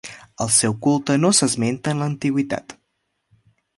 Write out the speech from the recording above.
El seu culte no s'esmenta en l'antiguitat.